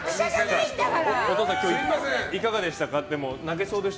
お父さん、いかがでしたか？